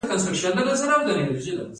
مقننه قوه قوانین جوړوي